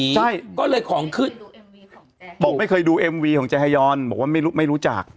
ใช่ก็เลยของขึ้นบอกไม่เคยดูเอ็มวีของเจฮยอนบอกว่าไม่รู้จัก